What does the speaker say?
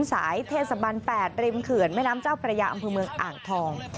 สายเทศบัน๘ริมเขื่อนแม่น้ำเจ้าพระยาอำเภอเมืองอ่างทอง